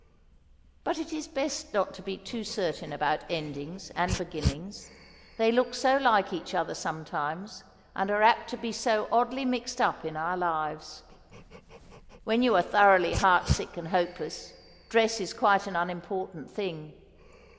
But it is best not to be too certain about endings and beginnings; they look so like each other sometimes, and are apt to be so oddly mixed up in our lives. When you are thoroughly heart sick and hopeless, dress is quite an unimportant thing.